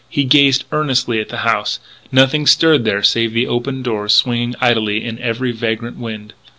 He gazed earnestly at the house. Nothing stirred there save the open doors swinging idly in every vagrant wind.